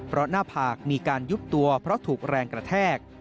เพราะหน้าผากมีการยุบตัวเพราะถูกแรงกระแทก